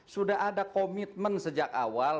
sudah ada komitmen sejak awal